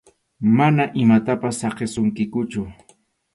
Mana imatapas saqisunkikuchu.